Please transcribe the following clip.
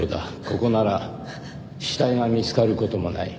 ここなら死体が見つかる事もない。